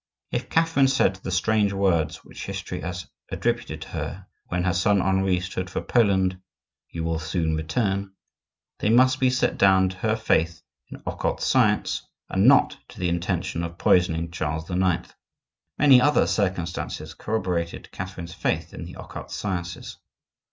If Catherine said the strange words which history has attributed to her when her son Henri started for Poland,—"You will soon return,"—they must be set down to her faith in occult science and not to the intention of poisoning Charles IX. Many other circumstances corroborated Catherine's faith in the occult sciences.